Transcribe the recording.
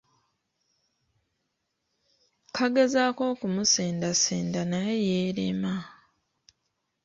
Kagezaako okumusendasenda naye yeerema.